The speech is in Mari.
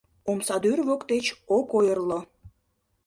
Омсадӱр воктеч ок ойырло.